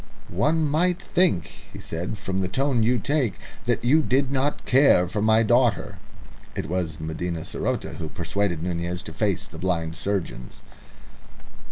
"One might think," he said, "from the tone you take, that you did not care for my daughter." It was Medina saroté who persuaded Nunez to face the blind surgeons.